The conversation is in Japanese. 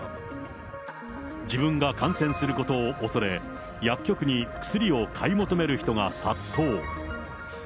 自分が感染することを恐れ、薬局に薬を買い求める人が殺到。